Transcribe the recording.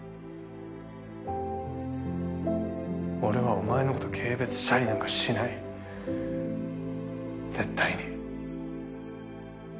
俺はお前のこと軽蔑したりなんかしない絶対に。